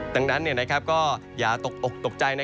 ดังนั้นก็อย่าตกอกตกใจ